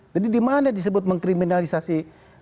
jadi dimana disebut mengkriminalisasi